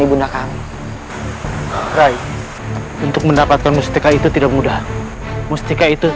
ibunda kami untuk mendapatkan mustika itu tidak mudah mustika itu